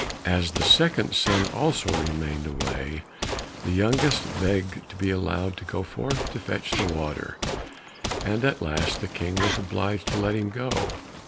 As the second son also remained away, the youngest begged to be allowed to go forth to fetch the water, and at last the King was obliged to let him go.